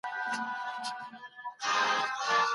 چیرته کولای سو نړیوال سازمان په سمه توګه مدیریت کړو؟